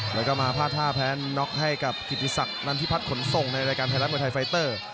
แล้วก็มาพาท่าแพทย์น็อกให้กับกิติศักดิ์นันทิพัทขนส่งในรายการไทยรับมือไทยไฟเตอร์